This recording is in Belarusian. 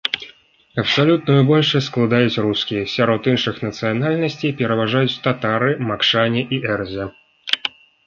Абсалютную большасць складаюць рускія, сярод іншых нацыянальнасцей пераважаюць татары, макшане і эрзя.